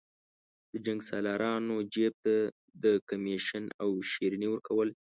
د جنګسالارانو جیب ته د کمېشن او شریني ورکول.